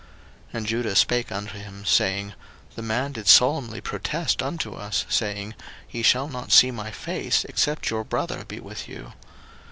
01:043:003 And Judah spake unto him, saying, The man did solemnly protest unto us, saying, Ye shall not see my face, except your brother be with you.